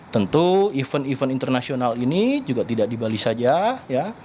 tentu event event internasional ini juga tidak di bali saja ya